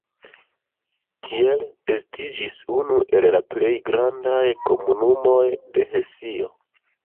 Tiel estiĝis unu el la plej grandaj komunumoj de Hesio.